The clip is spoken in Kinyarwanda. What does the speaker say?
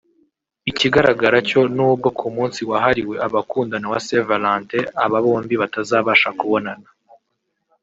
Ikigaragara cyo n’ubwo ku munsi wahriwe abakundana wa Saint Valentin aba bombi batazabasha kubonana